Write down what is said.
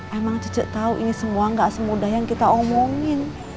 emang cici tahu ini semua gak semudah yang kita omongin